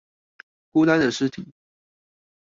孤單的屍體